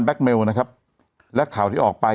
เมลนะครับและข่าวที่ออกไป